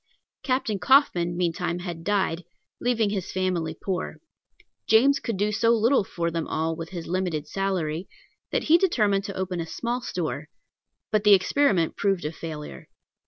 Captain Coffin meantime had died, leaving his family poor. James could do so little for them all with his limited salary, that he determined to open a small store; but the experiment proved a failure.